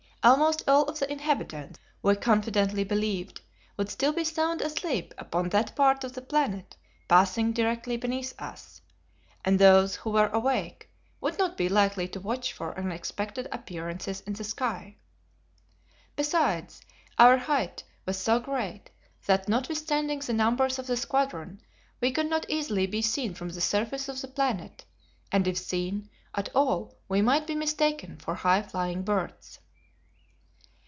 Almost all of the inhabitants, we confidently believed, would still be sound asleep upon that part of the planet passing directly beneath us, and those who were awake would not be likely to watch for unexpected appearances in the sky. Besides, our height was so great that notwithstanding the numbers of the squadron, we could not easily be seen from the surface of the planet, and if seen at all we might be mistaken for high flying birds.